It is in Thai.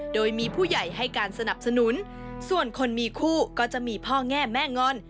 โดยมีผู้ใหญ่ให้การสนับสนุนส่วนคนมีคู่ก็จะมีพ่อแง่แม่งอน